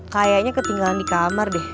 kayaknya ketinggalan di kamar deh